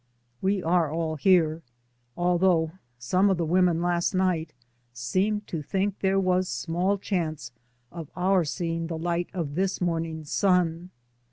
We are all here; although some of the women last night seemed to think there was small chance of our seeing the light of this morning's sun.